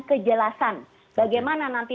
kejelasan bagaimana nanti